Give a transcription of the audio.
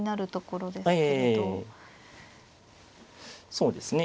そうですね。